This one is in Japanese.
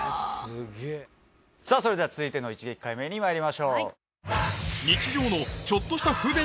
それでは続いての一撃解明にまいりましょう。